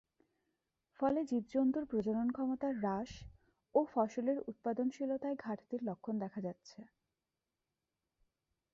ফলে জীবজন্তুর প্রজনন ক্ষমতা হ্রাস ও ফসলের উৎপাদনশীলতায় ঘাটতির লক্ষণ দেখা যাচ্ছে।